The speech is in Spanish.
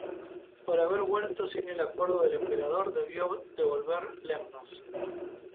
Por haber vuelto sin el acuerdo del emperador, debió devolver Lemnos.